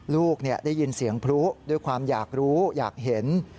ลูกได้ยินเสียงพลุด้วยความอยากรู้อยากเห็น